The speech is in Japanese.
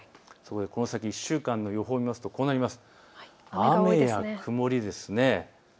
この先１週間の予報を見ますとこうなります。